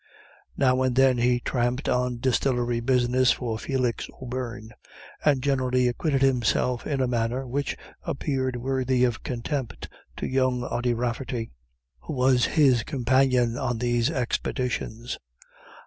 Now and then he tramped on distillery business for Felix O'Beirne, and generally acquitted himself in a manner which appeared worthy of contempt to young Ody Rafferty, who was his companion on these expeditions.